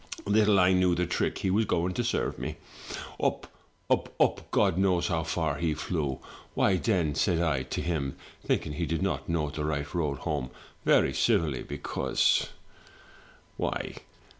Little I knew the trick he was going to serve me. Up, up, up — God knows how far he flew. 'Why then,' said I to him — thinking he did not know the right road home — very civilly, because 75 MY BOOK HOUSE why?